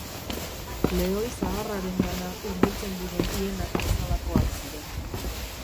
Lehoi zaharrarengana hurbiltzen diren hienak bezalakoak ziren.